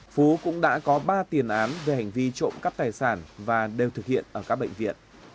phú cũng đã có ba tiền án về hành vi trộm cắp tài sản và đều thực hiện ở các bệnh viện